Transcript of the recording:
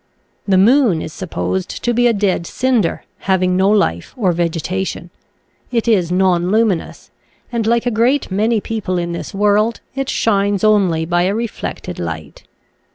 The moon is supposed to be a dead cinder, having no life or vegetation. It is nonluminous, and, like a great many people in this world, it shine3 only by a reflected light.